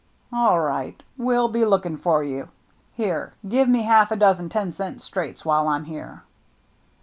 " All right, we'll be looking for you. Here, give me half a dozen ten cent straights while I'm here."